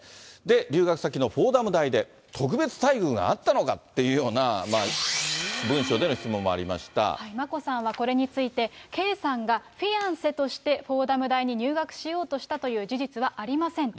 留学先のフォーダム大で特別待遇があったのかっていうような文書眞子さんはこれについて、圭さんがフィアンセとしてフォーダム大に入学しようとしたという事実はありませんと。